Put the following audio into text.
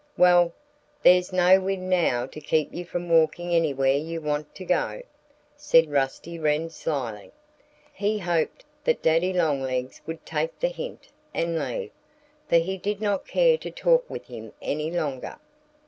"Well, there's no wind now to keep you from walking anywhere you want to go," said Rusty Wren slyly. He hoped that Daddy Longlegs would take the hint and leave, for he did not care to talk with him any longer.